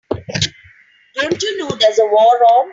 Don't you know there's a war on?